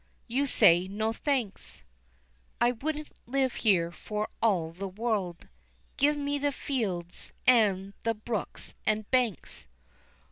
_" You'd say, No thanks! I wouldn't live here for all the world, Give me the fields, an' the brooks an' banks.